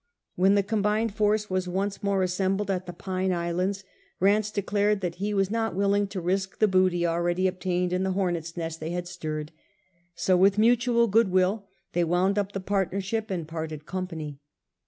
When the combined force was once more assembled at the Pine Islands, Kanse declared he was not willing to risk the booty already obtained in the hornets' nest they had stirred. So with mutual goodwill they wound up the partner ship and parted company.